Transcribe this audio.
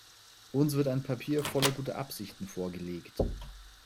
Uns wird ein Papier voller guter Absichten vorgelegt.